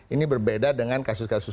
ini berbeda dengan kasus kasus